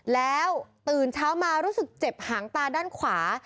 แล้วตื่นเช้ามารู้สึกเจ็บหางตาด้านขวา